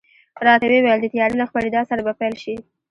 راته وې ویل، د تیارې له خپرېدا سره به پیل شي.